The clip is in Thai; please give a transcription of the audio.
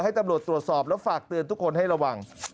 ให้ตำรวจตรวจสอบแล้วฝากเตือนทุกคนให้ระวัง